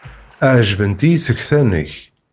Ɛejbent-iyi tekta-nnek.